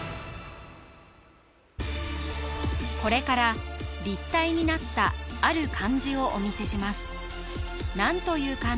これから立体になったある漢字をお見せしますお答え